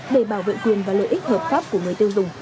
để bảo vệ quyền và lợi ích hợp pháp của người tiêu dùng